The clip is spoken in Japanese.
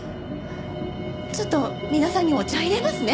ちょっと皆さんにお茶いれますね。